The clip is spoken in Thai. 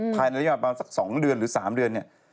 ภายในระยะประมาณสัก๒เดือนหรือ๓เดือนเนี่ย